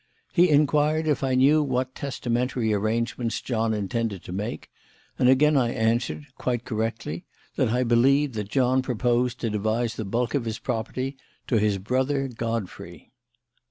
He inquired if I knew what testamentary arrangements John intended to make, and again I answered, quite correctly, that I believed that John proposed to devise the bulk of his property to his brother, Godfrey.